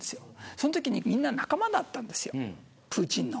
そのときに、みんな仲間だったんですプーチンの。